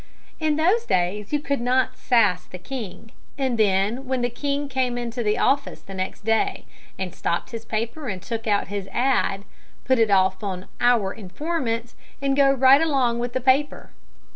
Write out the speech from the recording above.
In those days you could not sass the king, and then, when the king came in the office the next day and stopped his paper and took out his ad., put it off on "our informant" and go right along with the paper.